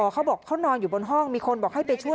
เขาบอกเขานอนอยู่บนห้องมีคนบอกให้ไปช่วย